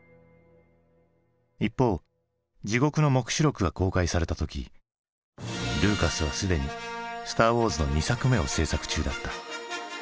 一方「地獄の黙示録」が公開された時ルーカスはすでに「スター・ウォーズ」の２作目を製作中だった。